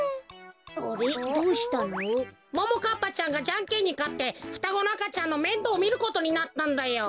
ももかっぱちゃんがじゃんけんにかってふたごのあかちゃんのめんどうみることになったんだよ。